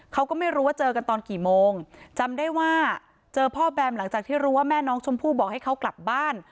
เขาก็ไม่รู้ว่าเจอกันตอนกี่โมงจำได้ว่าเจอพ่อแบมหลังจากที่รู้ว่าแม่น้องชมพู่บอกให้เขากลับบ้าน